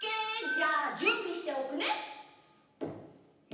じゃあじゅんびしておくね。